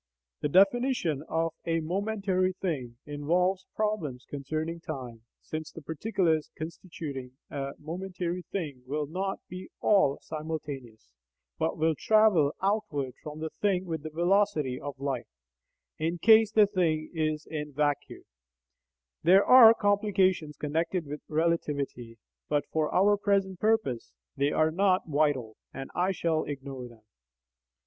The definition of a "momentary thing" involves problems concerning time, since the particulars constituting a momentary thing will not be all simultaneous, but will travel outward from the thing with the velocity of light (in case the thing is in vacuo). There are complications connected with relativity, but for our present purpose they are not vital, and I shall ignore them.